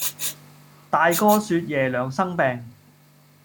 大哥説爺娘生病，